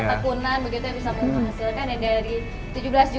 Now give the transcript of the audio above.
dari tujuh belas juta buku yang modal awal sekarang mz nya berbulan